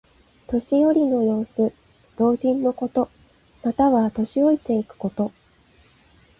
年寄りの様子。老人のこと。または、年老いていくこと。